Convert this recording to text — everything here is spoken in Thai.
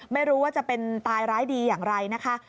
ไม่รู้ว่าจะเป็นตายร้ายดีอย่างไรนะคะ